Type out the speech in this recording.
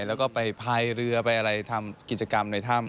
แล้วก็ไปพายเรือไปอะไรทำกิจกรรมในถ้ำ